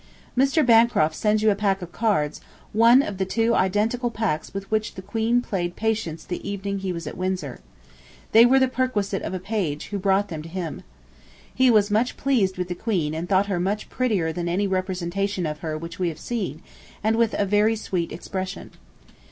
Mr. Bancroft sends you a pack of cards, one of the identical two packs with which the Queen played Patience the evening he was at Windsor. They were the perquisite of a page who brought them to him. He was much pleased with the Queen and thought her much prettier than any representation of her which we have seen, and with a very sweet expression.